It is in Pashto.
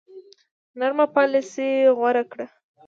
نرمه پالیسي غوره کړه.